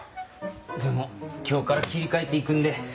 でも今日から切り替えていくんで。